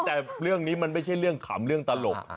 แต่เรื่องนี้มันไม่ใช่เรื่องขำเรื่องตลก